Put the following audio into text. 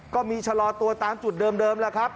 ก็มีชะลอตัวตามจุดเดิมแล้วครับ